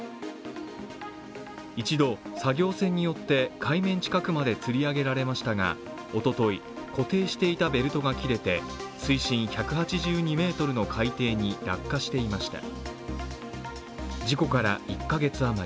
一度、作業船によって海面近くまでつり上げられましたがおととい、固定していたベルトが切れて、水深１８２ｍの海底に落下していました。